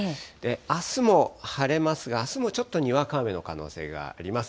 あすも晴れますが、あすもちょっとにわか雨の可能性があります。